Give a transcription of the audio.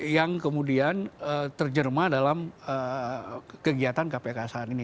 yang kemudian terjerma dalam kegiatan kpk saat ini